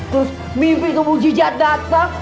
terus mimpi kebun jijat datang